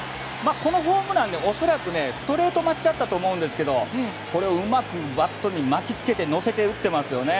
このホームラン、恐らくストレート待ちだったと思うんですがこれをうまくバットに巻き付けて乗せて打っていますよね。